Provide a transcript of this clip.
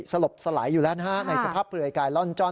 สลบสลายอยู่แล้วนะฮะในสภาพเปลือยกายล่อนจ้อน